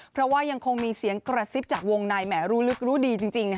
เพราะว่ายังคงมีเสียงกระซิบจากวงในแหมรู้ลึกรู้ดีจริง